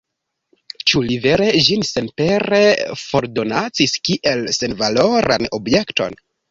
Ĉu li vere ĝin senpere fordonacis, kiel senvaloran objekton?